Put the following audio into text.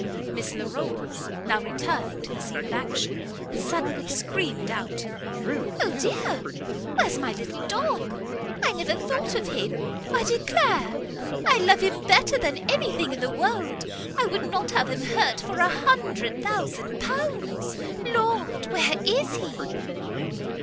Miss Larolles, now returning to the scene of action, suddenly screamed out, "O dear, where's my little dog! I never thought of him, I declare! I love him better than any thing in the world. I would not have him hurt for a hundred thousand pounds. Lord, where is he?"